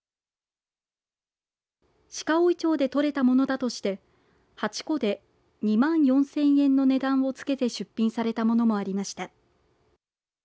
鹿追町で採れたものだとして８個で２万４０００円の値段を付けて出品されたものもありました。